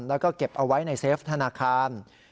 แล้วก็เก็บเอาไว้ในเฟฟธนาคาร